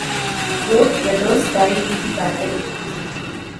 Both brothers died in the battle.